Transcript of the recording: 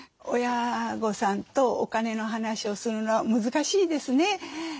親御さんとお金の話をするのは難しいですね。